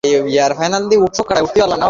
ঘরের অবস্থা দেখে যোগমায়া একদিন চমকে উঠলেন।